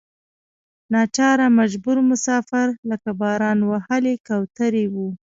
ناچاره مجبور مسافر لکه باران وهلې کوترې وو.